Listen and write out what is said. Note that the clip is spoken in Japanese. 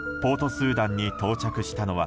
スーダンに到着したのは